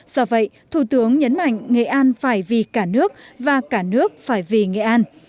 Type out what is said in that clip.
do vậy thủ tướng nhấn mạnh nghệ an phải vì cả nước và cả nước phải vì nghệ an